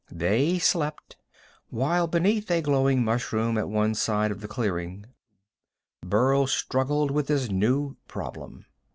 They slept, while beneath a glowing mushroom at one side of the clearing Burl struggled with his new problem.